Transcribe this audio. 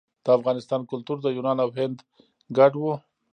د افغانستان کلتور د یونان او هند ګډ و